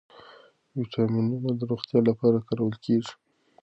ویټامینونه د روغتیا لپاره کارول کېږي.